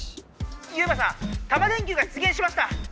ユウマさんタマ電Ｑが出げんしました！